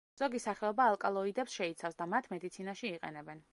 ზოგი სახეობა ალკალოიდებს შეიცავს და მათ მედიცინაში იყენებენ.